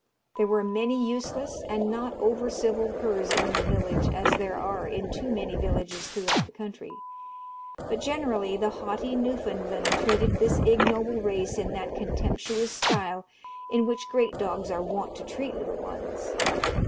There were many useless and not over civil curs in the village, as there are in too many villages throughout the country; but generally the haughty Newfoundland treated this ignoble race in that contemptuous style in which great dogs are wont to treat little ones.